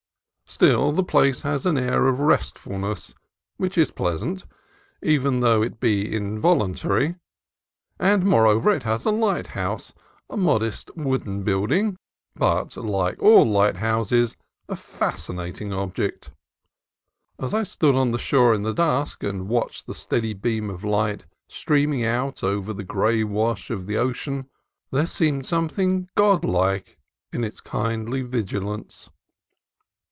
Still, the place has an air of restfulness which is pleasant, even though it be involuntary; and, more over, it has a lighthouse, — a modest wooden build ing, but, like all lighthouses, a fascinating object. As I stood on the shore in the dusk, and watched the steady beam of light streaming out over the gray wash of the ocean, there seemed something godlike in its kindly vigilance.